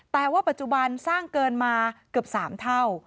แต่ว่าปัจจุบันสร้างเกินมาเกือบ๓เท่า